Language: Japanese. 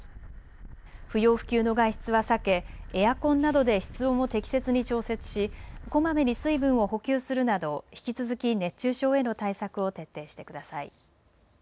不要不急の外出は避けエアコンなどで室温を適切に調節し、こまめに水分を補給するなど引き続き熱中症への対策を徹底してください。